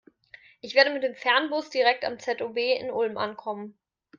Ich werde mit dem Fernbus direkt am ZOB in Ulm ankommen.